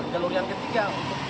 jalur yang ketiga